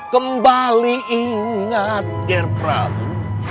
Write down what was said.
kembali ingat ger prabu